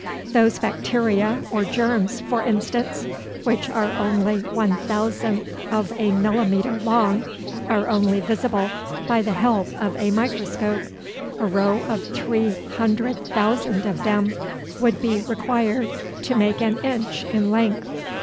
Those bacteria, or germs, for instance, which are only one thousandth of a millimetre long, are only visible by the help of a microscope. A row of three hundred thousand of them would be required to make an inch in length!